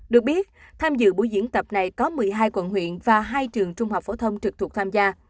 được biết tham dự buổi diễn tập này có một mươi hai quận huyện và hai trường trung học phổ thông trực thuộc tham gia